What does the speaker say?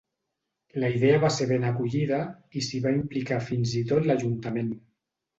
La idea va ser ben acollida i s'hi va implicar fins i tot l'ajuntament.